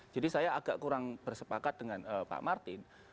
jadi saya agak kurang bersepakat dengan pak martin